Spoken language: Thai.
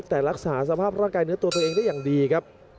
แต่รักษาสภาพร่างกายเนื้อตัวตัวเองได้อย่างดีครับ